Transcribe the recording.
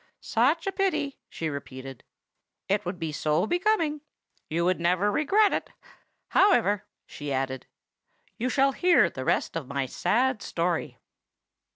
"Such a pity!" she repeated. "It would be so becoming! You would never regret it. However," she added, "you shall hear the rest of my sad story.